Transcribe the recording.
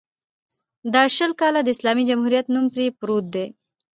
دا شل کاله د اسلامي جمهوریت نوم پرې پروت دی.